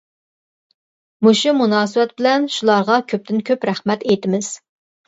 مۇشۇ مۇناسىۋەت بىلەن شۇلارغا كۆپتىن كۆپ رەھمەت ئېيتىمىز.